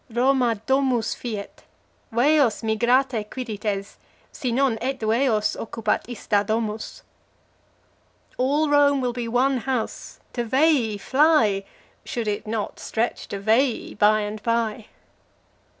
Roma domus fiet: Vejos migrate, Quirites, Si non et Vejos occupat ista domus. All Rome will be one house: to Veii fly, Should it not stretch to Veii, by and by.